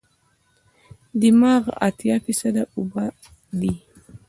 دماغ اتیا فیصده اوبه دي.